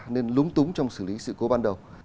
nên lúng túng trong xử lý sự cố ban đầu